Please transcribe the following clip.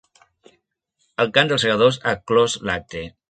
El cant dels Segadors, ha clos l’acte.